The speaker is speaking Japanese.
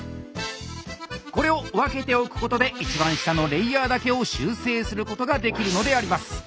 これを分けておくことで一番下のレイヤーだけを修正することができるのであります！